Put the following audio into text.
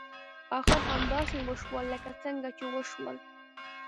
اخر همداسې وشول لکه څنګه چې وشول.